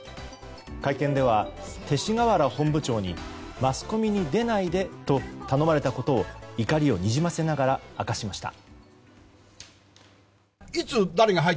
会見では勅使河原本部長にマスコミに出ないでと頼まれたことを怒りをにじませながら明かしました。